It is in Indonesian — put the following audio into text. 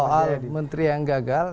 soal menteri yang gagal